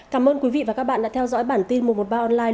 cảm ơn quý vị và các bạn đã theo dõi bản tin một trăm một mươi ba online